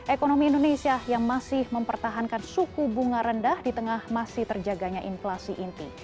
ekonomi indonesia yang masih mempertahankan suku bunga rendah di tengah masih terjaganya inflasi inti